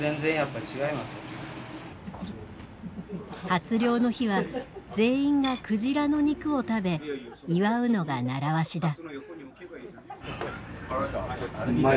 初漁の日は全員が鯨の肉を食べ祝うのが習わしだ。